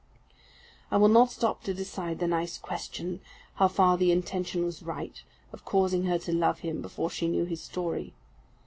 I will not stop to decide the nice question, how far the intention was right, of causing her to love him before she knew his story.